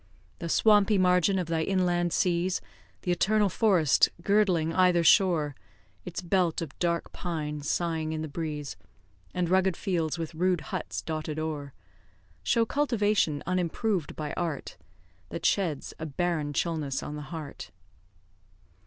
The swampy margin of thy inland seas, The eternal forest girdling either shore, Its belt of dark pines sighing in the breeze, And rugged fields, with rude huts dotted o'er, Show cultivation unimproved by art, That sheds a barren chillness on the heart.